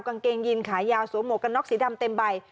กางเกงยีนขายาวสวมหวกกันน็อกสีดำเต็มใบ